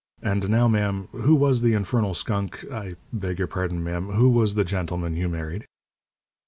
"And now, ma'am, who was the infernal skunk I beg your pardon, ma'am who was the gentleman you married?"